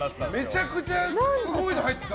めちゃくちゃすごいの入ってた。